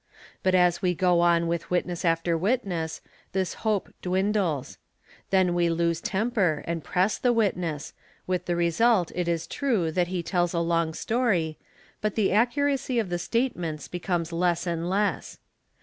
But as we go on with witness after witness this hope _ dwindles; then we lose temper and press the witness, with the result it is _ true that he tells a long story, but the accuracy of the statements becomes less and less.